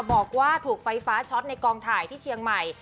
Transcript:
บอกว่าถูกไฟฟ้าช็อตในกองถ่ายที่เชียงใหม่